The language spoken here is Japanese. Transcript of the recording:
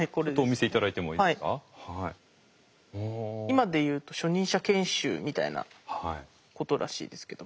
今で言うと初任者研修みたいなことらしいですけども。